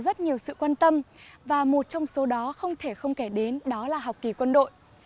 có rất nhiều sự quan tâm và một trong số đó không thể không kể đến đó là học kỳ quân đội